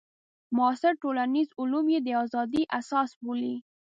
معاصر ټولنیز علوم یې د ازادۍ اساس بولي.